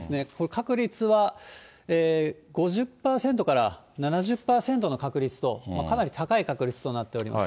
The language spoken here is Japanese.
確率は５０％から７０％の確率と、かなり高い確率となっております。